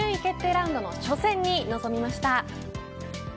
ラウンドの初戦に臨みました。